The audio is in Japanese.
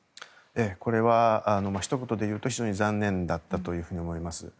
これはひと言で言うと非常に残念だったと思います。